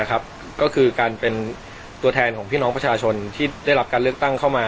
ก็คือการเป็นตัวแทนของพี่น้องประชาชนที่ได้รับการเลือกตั้งเข้ามา